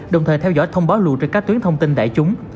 đồng thời theo dõi thông báo lùi trên các tuyến thông tin đại chúng